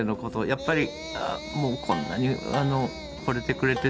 やっぱり「もうこんなに惚れてくれてたんだ。